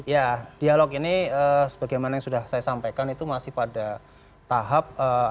ya dialog ini sebagaimana yang sudah saya sampaikan itu masih pada tahap antara mui dengan pssi